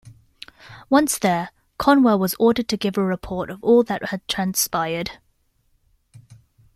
Once there, Conwell was ordered to give a report of all that had transpired.